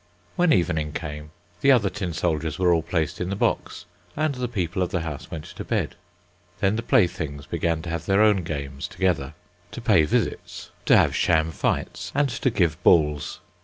When evening came, the other tin soldiers were all placed in the box, and the people of the house went to bed. Then the playthings began to have their own games together, to pay visits, to have sham fights, and to give balls.